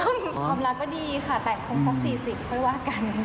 ความรักก็ดีค่ะแต่คงสัก๔๐ค่อยว่ากัน